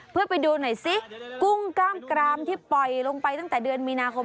เพื่อไปดูหน่อยซิกุ้งกล้ามกรามที่ปล่อยลงไปตั้งแต่เดือนมีนาคม